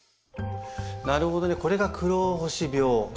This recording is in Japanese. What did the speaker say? なるほどねこれが黒星病。